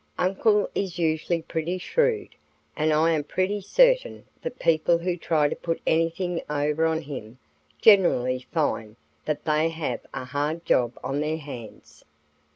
"Uncle is usually pretty shrewd, and I am pretty certain that people who try to put anything over on him generally find that they have a hard job on their hands."